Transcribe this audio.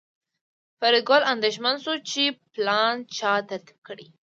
فریدګل اندېښمن شو چې دا پلان چا ترتیب کړی